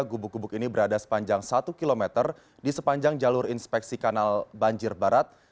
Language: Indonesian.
gubuk gubuk ini berada sepanjang satu km di sepanjang jalur inspeksi kanal banjir barat